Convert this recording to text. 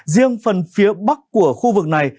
riêng phần phía bắc của khu vực này